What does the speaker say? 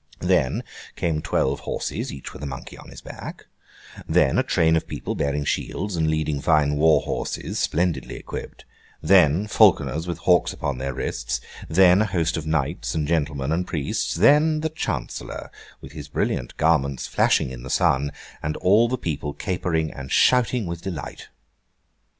Then, came twelve horses, each with a monkey on his back; then, a train of people bearing shields and leading fine war horses splendidly equipped; then, falconers with hawks upon their wrists; then, a host of knights, and gentlemen and priests; then, the Chancellor with his brilliant garments flashing in the sun, and all the people capering and shouting with delight.